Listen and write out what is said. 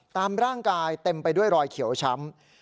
ตามร่างกายเต็มไปด้วยรอยเขียวช้ำ